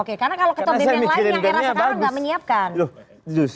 oke karena kalau ketua bem yang lain yang saya rasa sekarang nggak bisa